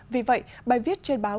vì vậy bài viết trên báo